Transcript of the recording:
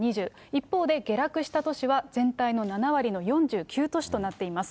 一方で下落した都市は全体の７割の４９都市となっています。